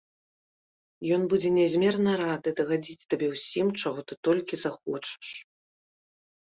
Ён будзе нязмерна рады дагадзіць табе ўсім, чаго ты толькі захочаш.